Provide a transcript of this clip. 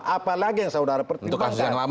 apalagi yang saudara pertimbangkan